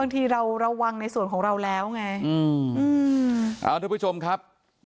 ทีเราระวังในส่วนของเราแล้วไงอืมอ่าทุกผู้ชมครับ